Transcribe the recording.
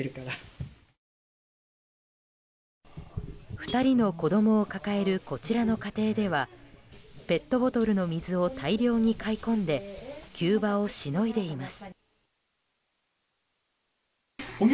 ２人の子供を抱えるこちらの家庭ではペットボトルの水を大量に買い込んで急場をしのいでいます。